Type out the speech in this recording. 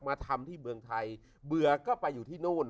มาทำที่เมืองไทยเบื่อก็ไปอยู่ที่นู่น